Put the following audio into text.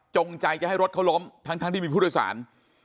ใจจะให้รถเขาล้มทั้งที่มีผู้โดยสาร